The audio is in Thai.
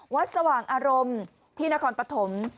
สว่างอารมณ์ที่นครปฐม